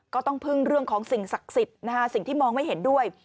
ก็ต้องพึ่งเรื่องของสิ่งศักดิ์สิทธิ์สิ่งที่มองไม่เห็นด้วย